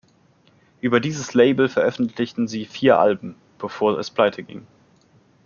Über dieses Label veröffentlichten sie vier Alben, bevor es pleiteging.